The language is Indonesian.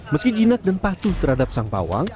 meski jinak dan patuh terhadap sang pawang